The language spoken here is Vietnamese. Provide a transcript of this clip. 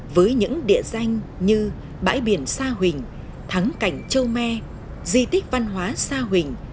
với những địa danh như bãi biển sa huỳnh thắng cảnh châu me di tích văn hóa sa huỳnh